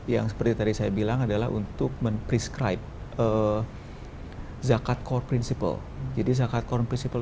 yang seperti tadi saya bilang adalah untuk memprescribe zakat core principle